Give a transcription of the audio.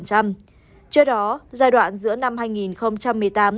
trước đó giai đoạn giữa năm hai nghìn một mươi tám